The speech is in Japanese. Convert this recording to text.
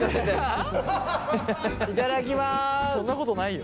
そんなことないよ。